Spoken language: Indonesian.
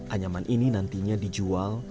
anyaman ini nantinya dijual